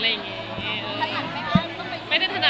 อะไรอย่างงี้